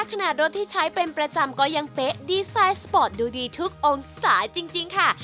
ขนาดรถที่ใช้เป็นประจำก็ยังเป๊ะดีไซน์สปอร์ตดูดีทุกองศาจริงค่ะ